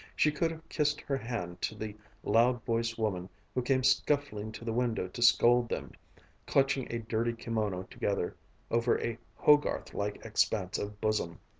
She could have kissed her hand to the loud voiced woman who came scuffling to the window to scold them, clutching a dirty kimono together over a Hogarth like expanse of bosom.